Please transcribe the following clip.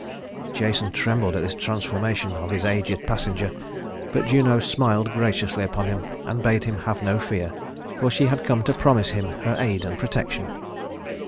Jason trembled at this transformation of his aged passenger, but Juno smiled graciously upon him and bade him have no fear, for she had come to promise him her aid and protection.